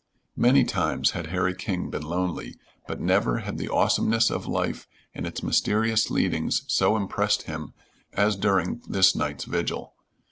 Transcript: Many times had Harry King been lonely, but never had the awesomeness of life and its mysterious leadings so impressed him as during this night's vigil.